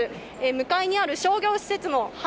向かいにある商業施設も。